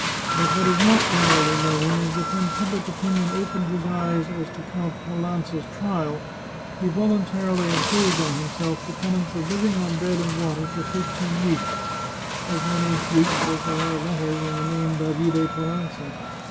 But what is not generally known is that when public opinion opened his eyes as to Count Palanza's trial, he voluntarily imposed on himself the penance of living on bread and water for thirteen weeks — as many weeks as there are letters in the name Davide Palanza.